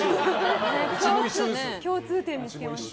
共通点見つけました。